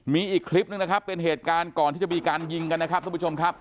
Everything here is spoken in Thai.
มีอีกคลิปหนึ่งนะครับเป็นเหตุการณ์ก่อนที่จะมีการยิงกันนะครับทุกผู้ชมครับ